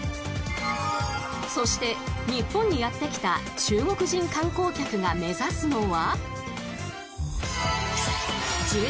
そして、日本にやってきた中国人観光客が目指すのは。